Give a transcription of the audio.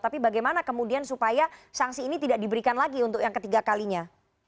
tapi bagaimana kemudian supaya sanksi ini tidak diberikan lagi untuk yang ketiga kalinya